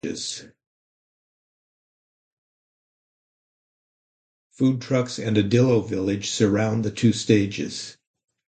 Food trucks and a "Dillo Village" surround the two stages.